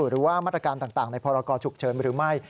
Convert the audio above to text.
หรือว่ามาตรการต่างในพรกรฉุกเฉินหรือไม่